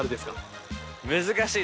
難しい。